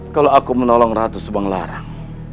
kalau aku menolong ratu subanglarang